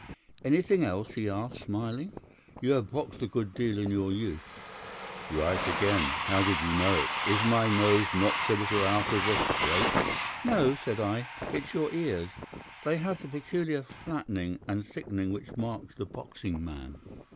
"'Anything else?' he asked, smiling. "'You have boxed a good deal in your youth.' "'Right again. How did you know it? Is my nose knocked a little out of the straight?' "'No,' said I. 'It is your ears. They have the peculiar flattening and thickening which marks the boxing man.